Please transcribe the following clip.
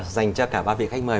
dành cho cả ba vị khách mời